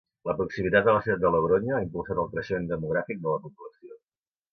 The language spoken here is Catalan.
La proximitat a la ciutat de Logronyo ha impulsat el creixement demogràfic de la població.